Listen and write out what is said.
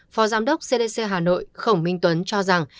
phó giám đốc cdc hà nội khổng minh tuấn cho rằng